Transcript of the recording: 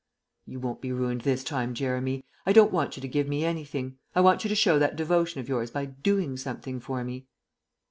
"You won't be ruined this time, Jeremy. I don't want you to give me anything; I want you to show that devotion of yours by doing something for me."